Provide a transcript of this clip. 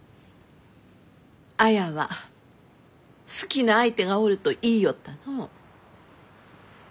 綾は好きな相手がおると言いよったのう。